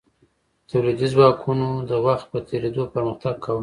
تولیدي ځواکونو د وخت په تیریدو پرمختګ کاوه.